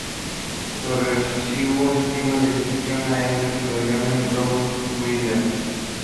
Su agresivo estilo de gestión ha hecho que le llamen el "rottweiler".